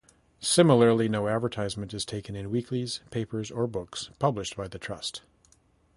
Similarly no advertisement is taken in weeklies, papers or books published by the Trust.